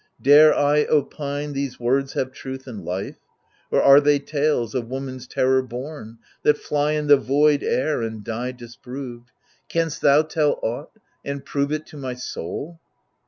Dare I opine these words have truth and life ? Or are they tales, of woman's terror bom, That fly in the void air, and die disproved ? Canst thou tell aught, and prove it to my soul